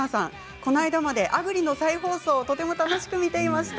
この間まで「あぐり」の再放送をとっても楽しく見ていました。